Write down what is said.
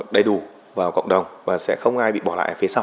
đầy đủ vào cộng đồng và sẽ không ai bị bỏ lại phía sau